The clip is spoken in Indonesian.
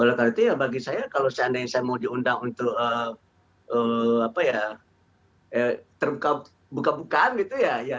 oleh karena itu ya bagi saya kalau seandainya saya mau diundang untuk terbuka buka bukaan gitu ya